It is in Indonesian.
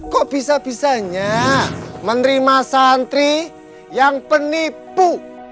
kok bisa bisanya menerima santri yang penipu